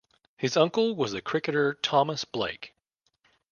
His uncle was the cricketer Thomas Blake.